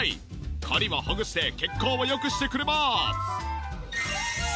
コリをほぐして血行を良くしてくれます！